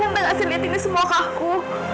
buat apa tante gak selih lihat ini semua ke aku